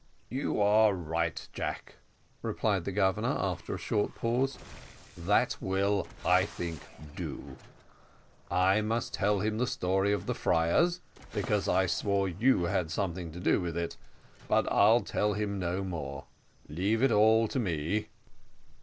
"You are right, Jack," replied the Governor, after a short pause; "that will, I think, do. I must tell him the story of the friars, because I swore you had something to do with it but I'll tell him no more: leave it all to me."